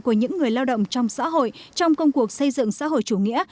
của những người lao động trong xã hội trong công cuộc xây dựng xã hội chủ nghĩa